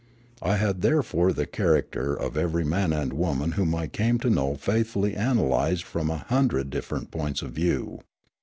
I had therefore the character of every man and woman whom I came to know faithfully analysed from a hundred different points of view.